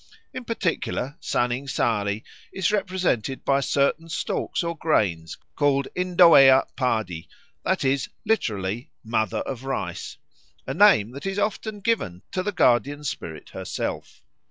In particular Saning Sari is represented by certain stalks or grains called indoea padi, that is, literally, "Mother of Rice," a name that is often given to the guardian spirit herself.